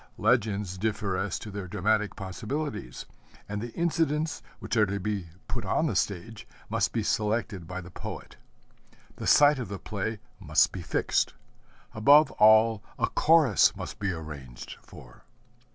Legends differ as to their dramatic possibilities, and the incidents which are to be put on the stage must be selected by the poet. The site of the play must be fixed. Above all, a Chorus must be arranged for.